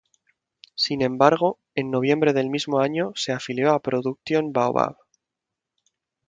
Sin embargo, en noviembre del mismo año se afilió a Production Baobab.